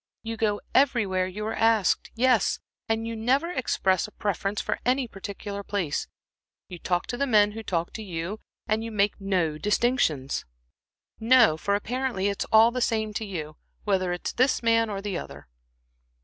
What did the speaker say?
You go everywhere you are asked yes, and you never express a preference for any particular place; you talk to the men who talk to you, and you make no distinctions no, for apparently it's all the same to you, whether it's this man or the other."